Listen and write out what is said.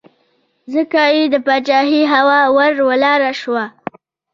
ځکه یې د پاچهۍ هوا ور ولاړه شوه.